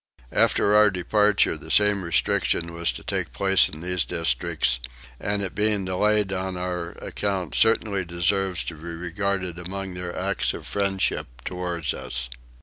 After our departure the same restriction was to take place in these districts, and it being delayed on our account certainly deserves to be regarded among their acts of friendship towards us.